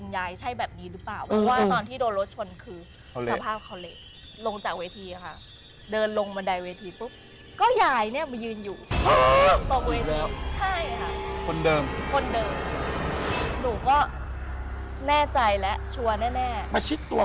มาชิดตัวเข้ามาแล้วนะ